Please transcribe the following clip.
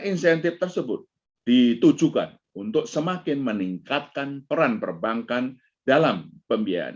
insentif tersebut ditujukan untuk semakin meningkatkan peran perbankan dalam pembiayaan